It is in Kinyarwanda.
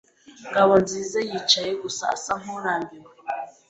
Ngabonzizayicaye gusa asa nkurambiwe.